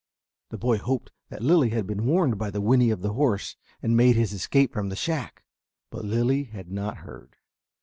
The boy hoped that Lilly had been warned by the whinny of the horse and made his escape from the shack. But Lilly had not heard.